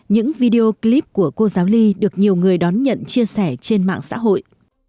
những video clip của cô giáo ly được nhiều người đón nhận chia sẻ trên mạng xã hội